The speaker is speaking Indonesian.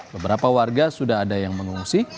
beberapa warga sudah ada yang mengungsi